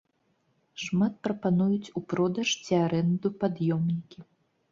Шмат прапануюць у продаж ці арэнду пад'ёмнікі.